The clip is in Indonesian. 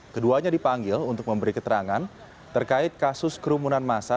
keduanya dipanggil untuk memberi keterangan terkait kasus kerumunan masa